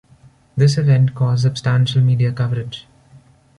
This event caused substantial media coverage.